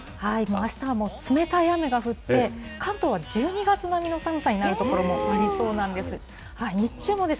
あしたはもう冷たい雨が降って、関東は１２月並みの寒さになる所もありそうなんです。